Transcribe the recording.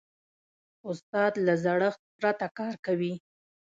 استاد له زړښت پرته کار کوي.